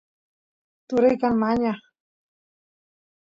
turay kan mañaq